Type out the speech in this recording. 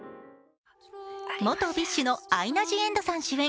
元ＢｉＳＨのアイナ・ジ・エンドさん主演